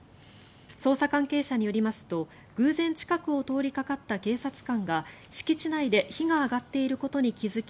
捜査関係者によりますと偶然近くを通りかかった警察官が敷地内で火が上がっていることに気付き